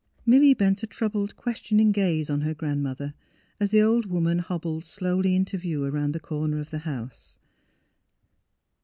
... Milly bent a troubled, questioning gaze on her grandmother, as the old woman hobbled slowly into view around the corner of the house.